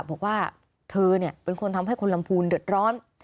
บอกว่าเธอเป็นคนทำให้คนลำพูนเดือดร้อน